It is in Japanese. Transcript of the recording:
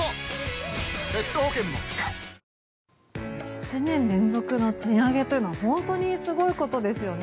７年連続の賃上げというのは本当にすごいことですよね